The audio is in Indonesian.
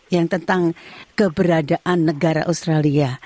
yang tentang keberadaan negara australia